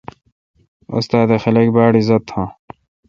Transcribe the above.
استاد دے خلق باڑ عزت تھان۔